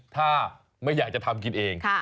ถ้าไม่อยากจะทำกินเอง